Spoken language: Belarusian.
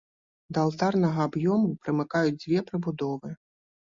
Да алтарнага аб'ёму прымыкаюць две прыбудовы.